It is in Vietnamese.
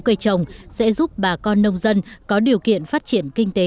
cây trồng sẽ giúp bà con nông dân có điều kiện phát triển kinh tế